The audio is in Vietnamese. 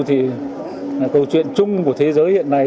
thì câu chuyện chung của thế giới hiện nay